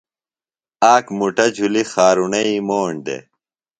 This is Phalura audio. آک مُٹہ جُھلیۡ خارُرݨئی موݨ دےۡ۔